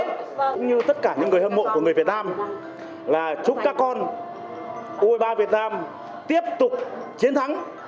cũng như tất cả những người hâm mộ của người việt nam là chúc các con u hai mươi ba việt nam tiếp tục chiến thắng